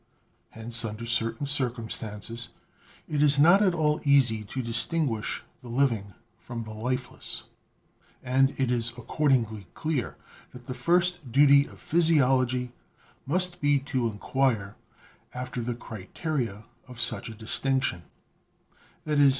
Hence, under certain circumstances it is not at all easy to distinguish the living from the lifeless, and it is accordingly clear that the first duty of physiology must be to inquire after the criteria of such a distinction — i.e.